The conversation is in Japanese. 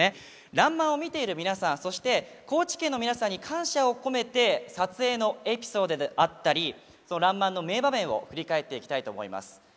「らんまん」を見ている皆さんそして高知県の皆さんに感謝を込めて撮影のエピソードであったり「らんまん」の名場面を振り返っていきたいと思います。